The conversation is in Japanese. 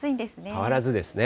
変わらずですね。